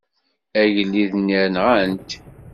Agellid-nni nɣan-t.